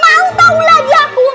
tak mau tau lagi aku